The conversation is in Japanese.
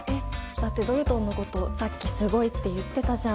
だってドルトンのことさっきすごいって言ってたじゃん。